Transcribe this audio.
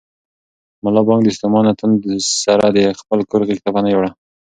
ملا بانګ د ستومانه تن سره د خپل کور غېږې ته پناه یووړه.